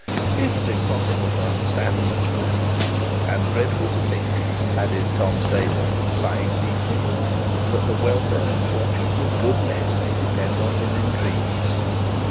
It is impossible to understand such a man, and dreadful to think,' added Mr Staple, sighing deeply, 'that the welfare and fortunes of good men may depend on his intrigues.'